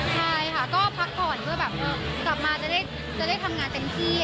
ใช่ค่ะก็พักผ่อนเพื่อแบบกลับมาจะได้ทำงานเต็มที่